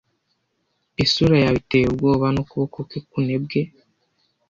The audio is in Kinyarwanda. Isura yawe iteye ubwoba, n'ukuboko kwe kunebwe